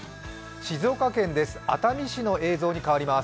静岡県です